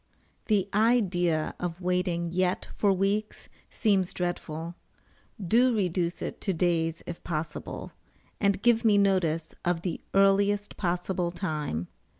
The idea of waiting yet for weeks seems dreadful; do reduce it to days if possible, and give me notice of the earliest possible time.